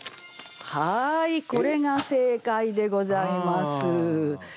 これが正解でございます。